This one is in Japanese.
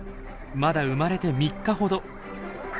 まだ生まれて３日ほど。